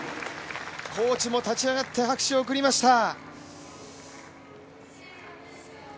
コーチも立ち上がって拍手を送りました。